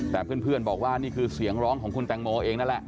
แต่เพื่อนบอกว่านี่คือเสียงร้องของคุณแตงโมเองนั่นแหละ